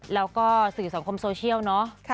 แล้วก็สื่อสังคมโซเชียลเนอะ